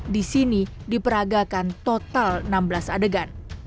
di sini diperagakan total enam belas adegan